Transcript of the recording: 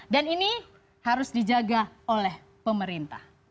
dan ini harus dijaga oleh pemerintah